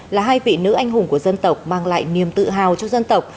là hai vị nữ anh hùng của dân tộc mang lại niềm tự hào cho dân tộc